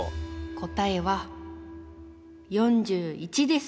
答えは４１です！